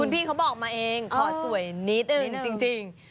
พี่เขาบอกมาเองขอสวยนิดนึงจริง